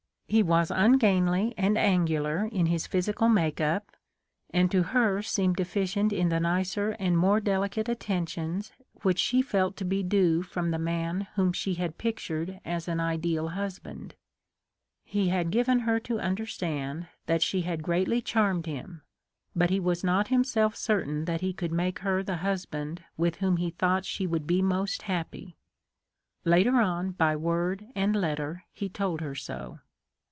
He was ungainly and angular in his physical make up, and to her seemed deficient in the nicer and more deli cate attentions which she felt to be due from the man whom she had pictured as an ideal husband. He had given her to understand that she had greatly charmed him ; but he was not himself certain that he could make her the husband with whom he thought she would be most happy. Later on by word and letter he told her so.